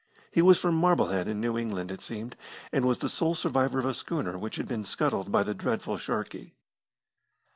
He was from Marblehead, in New England, it seemed, and was the sole survivor of a schooner which had been scuttled by the dreadful Sharkey.